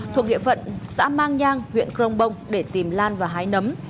thuộc địa phận xã mang nhang huyện crong bông để tìm lan và hái nấm